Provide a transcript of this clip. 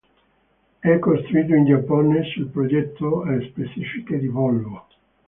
È costruito in Giappone su progetto e specifiche di Volvo.